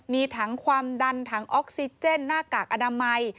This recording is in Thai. มีถังความดันถังออกซิเจนหน้ากากอนามัย